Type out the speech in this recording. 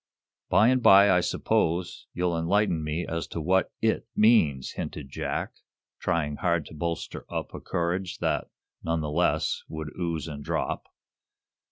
"By and by I suppose you'll enlighten me as to what 'it' means?" hinted Jack, trying hard to bolster up a courage that, none the less, would ooze and drop.